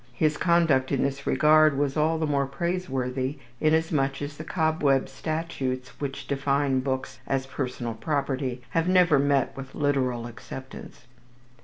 His conduct in this regard was all the more praiseworthy inasmuch as the cobweb statutes which define books as personal property have never met with literal acceptance.